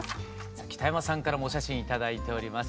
さぁ北山さんからもお写真頂いております